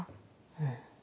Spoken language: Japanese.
うん。